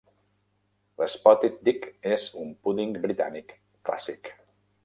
L'spotted dick és un púding britànic clàssic.